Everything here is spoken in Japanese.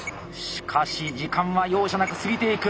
しかし時間は容赦なく過ぎていく。